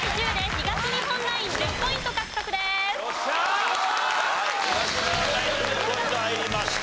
東日本ナイン１０ポイント入りました。